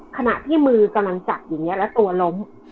ขณะที่มือกำลังจับอยู่เนี่ยแล้วตัวล้ม